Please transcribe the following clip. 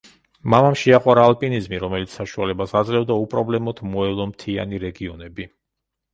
მამამ შეაყვარა ალპინიზმი, რომელიც საშუალებას აძლევდა უპრობლემოდ მოევლო მთიანი რეგიონები.